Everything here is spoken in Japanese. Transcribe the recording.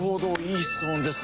いい質問ですね。